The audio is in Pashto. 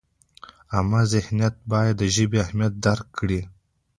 عامه ذهنیت باید د ژبې اهمیت درک کړي.